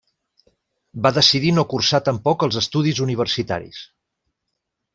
Va decidir no cursar tampoc els estudis universitaris.